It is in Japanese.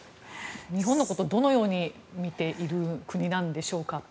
日本のことをどのように見ている国なんでしょうか。